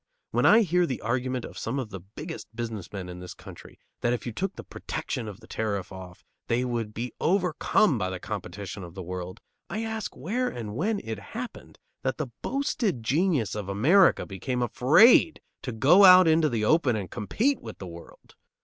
When I hear the argument of some of the biggest business men in this country, that if you took the "protection" of the tariff off they would be overcome by the competition of the world, I ask where and when it happened that the boasted genius of America became afraid to go out into the open and compete with the world?